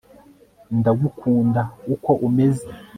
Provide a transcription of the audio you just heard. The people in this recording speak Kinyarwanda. ndagukunda uko umeze